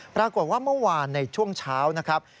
ปรากฏว่าเมื่อวานในช่วงเช้านะครับ